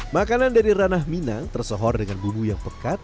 makanan dari ranah minang tersohor dengan bumbu yang pekat